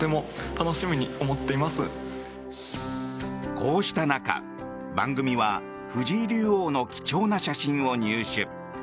こうした中、番組は藤井竜王の貴重な写真を入手。